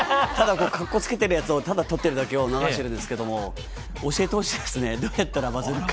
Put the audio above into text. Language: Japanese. ただカッコつけてるやつをただ撮ってるだけを流してるんですけれども、教えてほしいですね、どうしたらバズるのか。